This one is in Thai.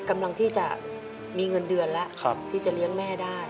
กำลังที่จะมีเงินเดือนแล้วที่จะเลี้ยงแม่ได้